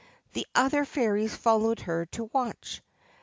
The other fairies followed her to watch.